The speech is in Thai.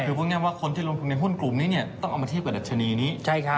คือพูดง่ายว่าคนที่ลงทุนในหุ้นกลุ่มนี้ต้องเอามาเทียบกับดัชนีนี้